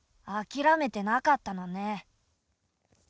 あきらめてなかったのね。